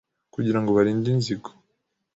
kugira ngo barinde inzigo.